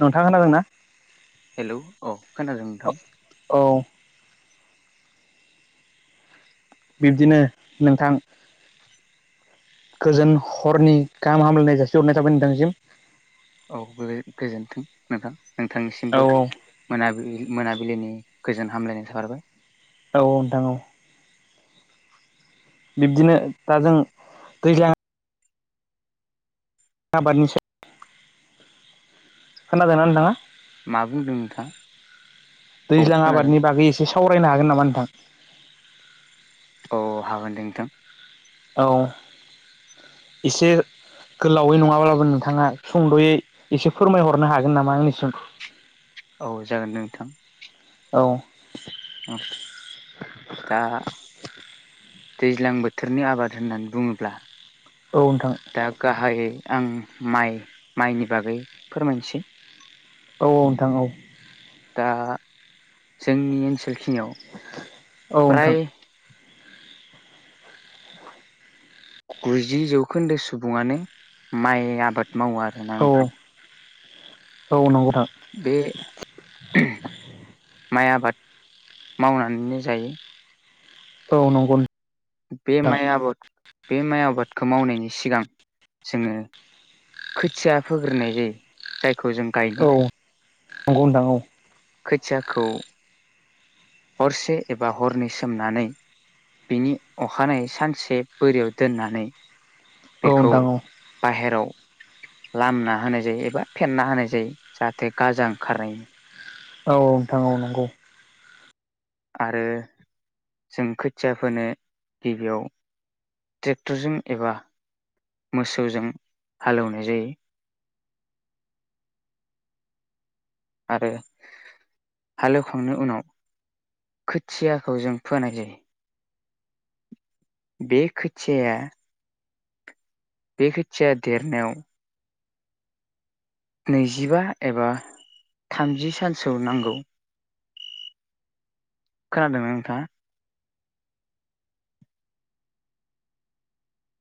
नोंथां खोनादोंना? हेल' अ खोनादों नोंथां। औ बिब्दिनो नोंथां गोजोन हरनि गाहाम हामलायनाय जासे हरनाय जाबाय नोंथांसिम। औ गोजोन्थों नोंथां औ नोंथांनिसिमबो मोनाबिलि मोनाबिलिनि गोजोन हामलायनाय थाहरबाय औ नोंथां औ। बिब्दिनो दा जों दैज्लां आबादनि स खोनादोंना नोंथाङा मा बुंदों नोंथांङा दैज्लां आबादनि बागै एसे सावरायनो हागोन नामा नोंथां औ हागोन दे नोंथां औ इसे गोलावै नङाब्लाबो नोंथाङा सुंदयै एसे फोरमायहरनो हागोन नामा आंनिसिम औ जागोन दे नोंथां औ औ दा दैज्लां बोथोरनि आबाद होननानै बुङोब्ला औ नोंथां दा गाहायै आं माइ माइनि बागै फोरमायनोसै औ औ नोंथां औ दा जोंनि ओनसोलखिनियाव औ नोंथां फ्राय गुजि जौखोन्दो सुबुङानो माइ आबाद मावो आरोना औ नोंथां औ नांगौ बे माइ आबाद मावनानैनो जायो औ नंगौ बे नोंथां माइ आबाद बे माइ आबाद खो मावनायनि सिगां जोङो खोथिया फोग्रोनाय जायो जाय औ नंगौ नोंथां औ खोथियाखौ हरसे एबा हरनै सोमनानै बिनि अखानायै सानसे बोरियाव दोननानै औ बेखौ बाहेराव लामना होनाय जायो एबा फेना होनाय जायो जाहाथे गाजा ओंखारो औ औ नोंथां औ नंगौ आरो जों खोथिया फोनो गिबियाव ट्रेक्टरजों एबा मोसौजों हालेवनाय जायो आरो हालेवखांनाय उनाव खोथियाखौ जों फोनाय जायो बेखोथियाया बे खोथिया देरनायाव नैजिबा एबा थामजि सानसो नांगौ खोनादोंमोन नोंथाङा